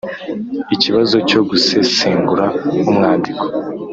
ikibazo cyo gusesengura umwandiko